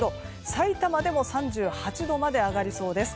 埼玉でも３８度まで上がりそうです。